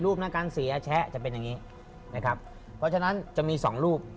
การเสียแชะจะเป็นอย่างนี้นะครับเพราะฉะนั้นจะมีสองรูป